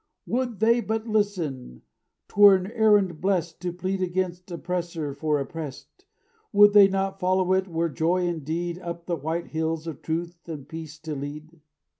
"Would they but listen 'twere an errand blest To plead against oppressor for oppressed; Would they but follow it were joy indeed Up the white hills of truth and peace to lead.